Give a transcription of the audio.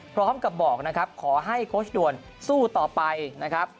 พร้อมกับบอกนะครับขอให้โค้ชด่วนสู้ต่อไปนะครับ